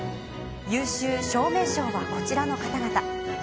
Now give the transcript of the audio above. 優秀照明賞はこちらの方々。